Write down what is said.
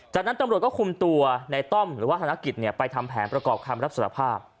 จากนั้นตำรวจก็คุมตัวในต้อมหรือว่าธนกิจไปทำแผนประกอบคำรับสารภาพ